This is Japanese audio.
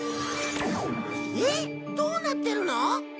えっどうなってるの？